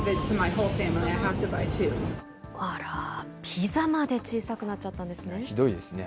ピザまで小さくなっちゃったんですね。